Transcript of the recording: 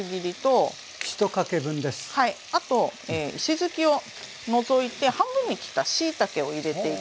あと石づきを除いて半分に切ったしいたけを入れていきます。